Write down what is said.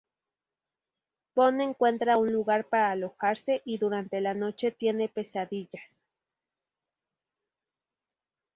Bond encuentra un lugar para alojarse, y durante la noche tiene pesadillas.